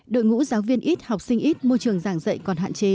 đội ngũ giáo viên ít học sinh ít môi trường giảng dạy còn hạn chế